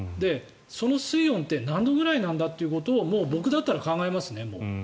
その水温って何度ぐらいなんだってことをもう僕だったら考えますね。